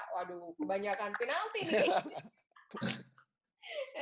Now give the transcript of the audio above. waduh kebanyakan penalti nih